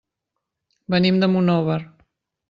Venim de Monòver.